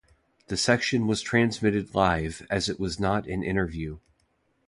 The section was transmitted live, as it was not an interview.